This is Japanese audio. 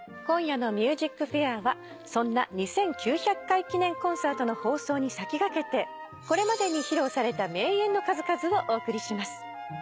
今夜の『ＭＵＳＩＣＦＡＩＲ』はそんな２９００回記念コンサートの放送に先駆けてこれまでに披露された名演の数々をお送りします。